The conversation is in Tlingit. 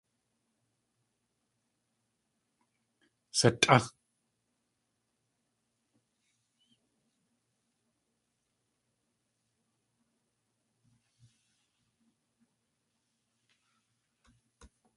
Satʼá!